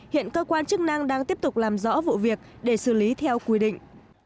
hiện cơ quan chức năng đang tiếp tục làm rõ vụ việc để xử lý theo quy định